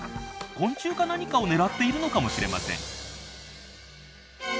昆虫か何かを狙っているのかもしれません。